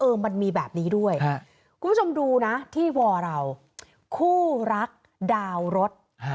มันมีแบบนี้ด้วยคุณผู้ชมดูนะที่วอเราคู่รักดาวรถ